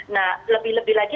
nah lebih lebih lagi